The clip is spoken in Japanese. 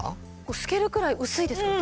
透けるくらい薄いですけどね。